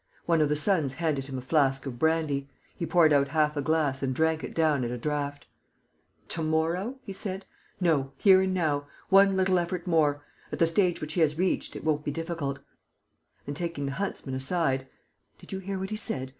One of the sons handed him a flask of brandy. He poured out half a glass and drank it down at a draught: "To morrow?" he said. "No. Here and now. One little effort more. At the stage which he has reached, it won't be difficult." And, taking the huntsman aside, "Did you hear what he said?